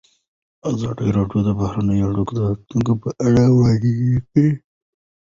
ازادي راډیو د بهرنۍ اړیکې د راتلونکې په اړه وړاندوینې کړې.